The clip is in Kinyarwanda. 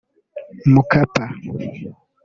Mkapa